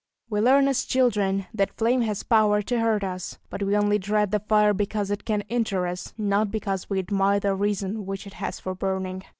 We learn as children that flame has power to hurt us, but we only dread the fire because it can injure us, not because we admire the reason which it has for burning.